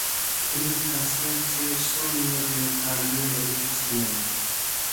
তিনি থ্রাসিয়ান চের্সোনিয়দের কার্ডিয়ার অধিবাসী ছিলেন।